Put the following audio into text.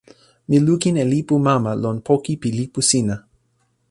mi lukin e lipu mama lon poka pi lipu sina.